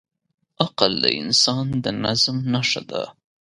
عقل د انسان د نظم نښه ده.